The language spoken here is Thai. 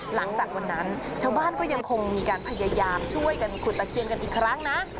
หลังจากวันนั้นชาวบ้านก็ยังคงมีการพยายามช่วยกันขุดตะเคียนกันอีกครั้งนะ